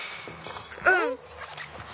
うん。